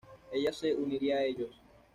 Ella se uniría a ellos.